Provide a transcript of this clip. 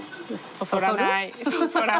そそらない。